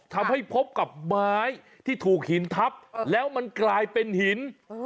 ทำให้พบกับไม้ที่ถูกหินทับแล้วมันกลายเป็นหิน